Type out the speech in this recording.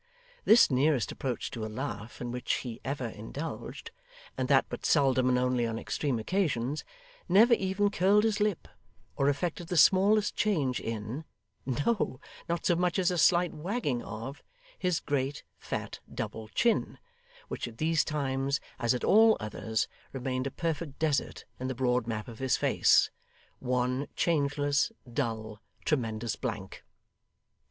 This nearest approach to a laugh in which he ever indulged (and that but seldom and only on extreme occasions), never even curled his lip or effected the smallest change in no, not so much as a slight wagging of his great, fat, double chin, which at these times, as at all others, remained a perfect desert in the broad map of his face; one changeless, dull, tremendous blank.